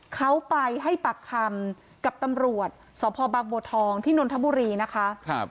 เขาไปให้ปากคำกับตำรวจสพบางบัวทองที่นนทบุรีนะคะ